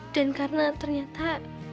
dan karena ternyata